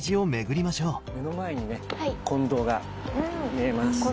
目の前にね金堂が見えます。